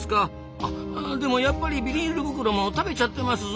あでもやっぱりビニール袋も食べちゃってますぞ。